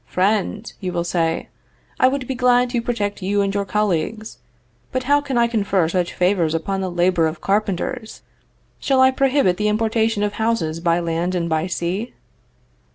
"Friend," you will say, "I would be glad to protect you and your colleagues; but how can I confer such favors upon the labor of carpenters? Shall I prohibit the importation of houses by land and by sea?"